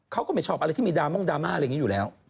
เขาก็ไม่ชอบอะไรที่มีดราม่องดราม่าอะไรอย่างนี้อยู่แล้ว